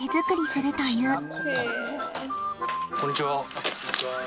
こんにちは。